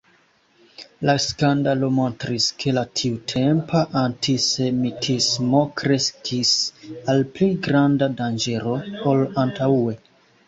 La skandalo montris, ke la tiutempa antisemitismo kreskis al pli granda danĝero ol antaŭe.